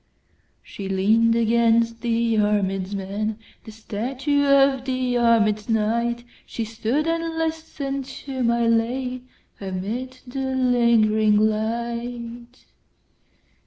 She lean'd against the armèd man, The statue of the armèd knight; She stood and listen'd to my lay, Amid the lingering light.